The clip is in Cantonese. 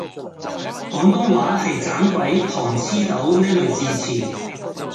廣東話係盞鬼糖黐豆呢類字詞